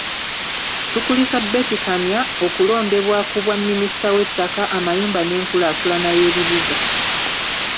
Tukulisa Betty Kamya okulondebwa ku Bwaminisita w’ettaka, amayumba n’enkulaakulana y’ebibuga.